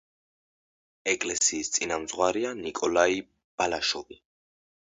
ეკლესიის წინამძღვარია ნიკოლაი ბალაშოვი.